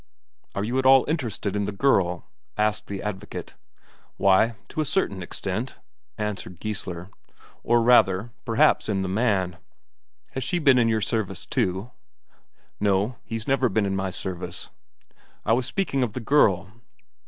"Are you at all interested in the girl?" asked the advocate. "Why, to a certain extent," answered Geissler "or rather, perhaps, in the man." "Has she been in your service too?" "No, he's never been in my service." "I was speaking of the girl.